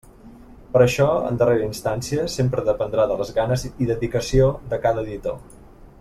Però això, en darrera instància, sempre dependrà de les ganes i dedicació de cada editor.